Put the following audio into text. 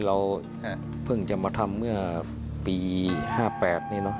เราเพิ่งจะมาทำเมื่อปี๕๘นี่เนอ